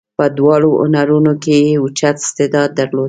په دواړو هنرونو کې یې اوچت استعداد درلود.